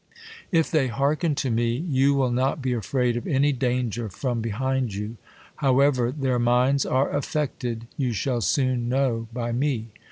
If they hearken to me, you will not be afraid of any danger from behind you. However their minds are affected, you shall soon know by me.